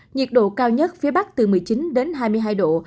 nhiệt độ cao nhất phía bắc từ một mươi chín đến hai mươi hai độ